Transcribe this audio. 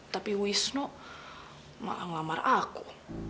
tapi wisnu malah mengamalkan aku